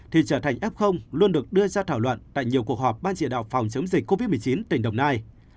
thì trở thành f luôn được đưa ra thảo luận tại nhiều cuộc họp ban chỉ đạo phòng chống dịch covid một mươi chín tỉnh đồng nai